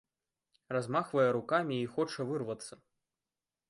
Размахвае рукамі і хоча вырвацца.